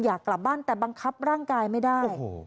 อยากกลับบ้านแต่บังคับร่างกายไม่ได้